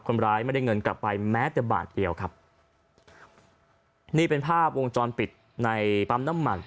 คนร้ายไม่ได้เงินกลับไปแม้แต่บาทเดียวครับนี่เป็นภาพวงจรปิดในปั๊มน้ำมัน